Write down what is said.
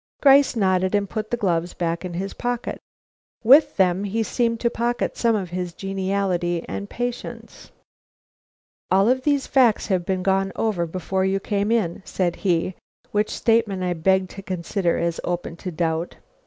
Gryce nodded, and put the gloves back in his pocket. With them he seemed to pocket some of his geniality and patience. "All these facts have been gone over before you came in," said he, which statement I beg to consider as open to doubt.